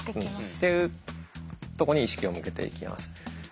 っていうとこに意識を向けていきます。